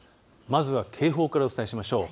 まずは警報からお伝えしましょう。